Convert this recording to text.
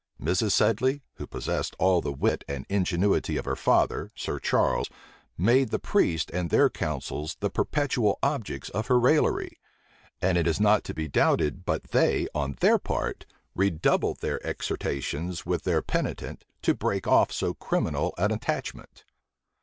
Mrs. Sedley, who possessed all the wit and ingenuity of her father, Sir Charles made the priests and their counsels the perpetual objects cf her raillery; and it is not to be doubted but they, on their part, redoubled their exhortations with their penitent to break off so criminal an attachment.